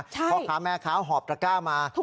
พ่อค้าแม่ค้าหอบตระก้ามา